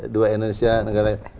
dua indonesia negara lain